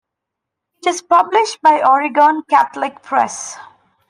It is published by Oregon Catholic Press.